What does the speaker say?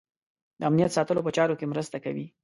د امنیت ساتلو په چارو کې مرسته کوي.